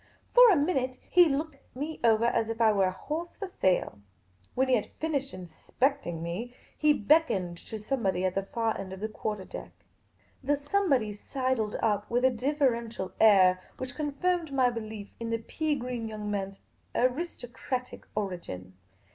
For a minute he looked me over as if I were a horsii for sale. When he had finished in specting me, he beckoned to somebody at the far end of the quarter deck. The somebody sidled up with a deferential air which con firmed my belief in the pea green young man's aristocratic origin.